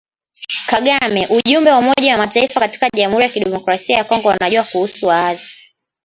Kagame: Ujumbe wa Umoja wa Mataifa katika Jamhuri ya Kidemokrasia ya Kongo wanajua kuhusu waasi.